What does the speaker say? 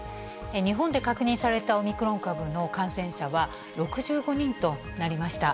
日本で確認されたオミクロン株の感染者は、６５人となりました。